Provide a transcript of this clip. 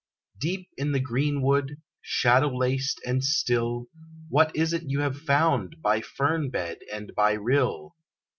Deep in the green wood, shadow laced, and still, What is it you have found, by fern bed and by rill?